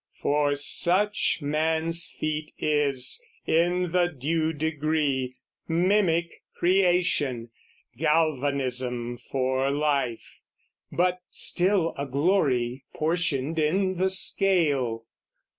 For such man's feat is, in the due degree, Mimic creation, galvanism for life, But still a glory portioned in the scale.